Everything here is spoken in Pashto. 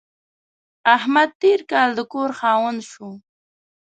احمد تېر کال د کور خاوند شو.